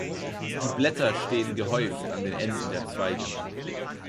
Die Blätter stehen gehäuft an den Enden der Zweige.